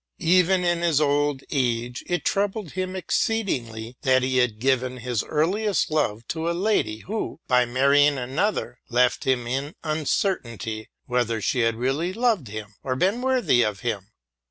Even in his old age it troubled him exceedingly that he had given his earliest love to a lady who, by marrying another, left him in uncertainty whether she had really loved or been worthy of him.